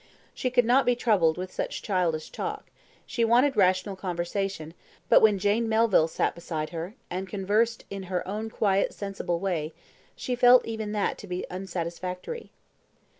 She could not be troubled with such childish talk; she wanted rational conversation; but when Jane Melville sat beside her, and conversed in her own quiet sensible way, she felt even that to be unsatisfactory.